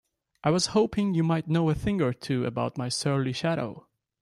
I was hoping you might know a thing or two about my surly shadow?